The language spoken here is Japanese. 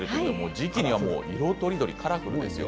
時期には、色とりどりカラフルですよ。